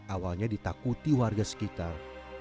awalnya ditakuti warga sekitar